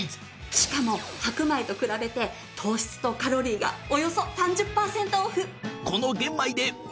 しかも白米と比べて糖質とカロリーがおよそ３０パーセントオフ！